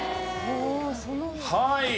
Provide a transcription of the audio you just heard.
はい。